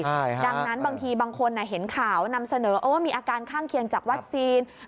ดังนั้นบางทีบางคนเห็นข่าวนำเสนอว่ามีอาการข้างเคียงจากวัคซีน